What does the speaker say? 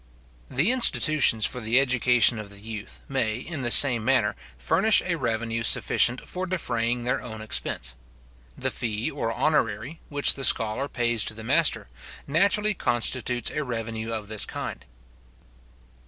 The institutions for the education of the youth may, in the same manner, furnish a revenue sufficient for defraying their own expense. The fee or honorary, which the scholar pays to the master, naturally constitutes a revenue of this kind.